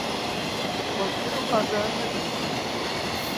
خۆزگە ئەو ئازارە نەدەما.